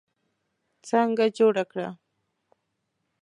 څانګه جوړه کړه.